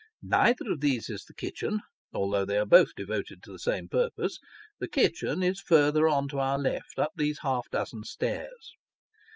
Neither of these is the kitchen, although they are both devoted to the same purpose ; the kitchen is further on to our loft, up these half dozen stairs.